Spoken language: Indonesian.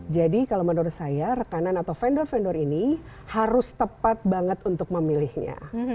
jadi kalau menurut saya rekanan atau vendor vendor ini harus tepat banget untuk memilihnya